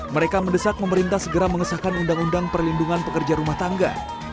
mereka mendesak pemerintah segera mengesahkan undang undang perlindungan pekerja rumah tangga